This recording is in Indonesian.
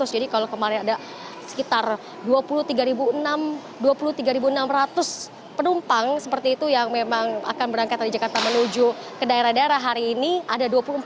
jadi kalau kemarin ada sekitar dua puluh tiga enam ratus penumpang seperti itu yang memang akan berangkat dari jakarta menuju ke daerah daerah hari ini ada dua puluh empat